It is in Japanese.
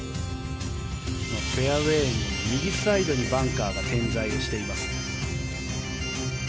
フェアウェーの右サイドにバンカーが点在しています。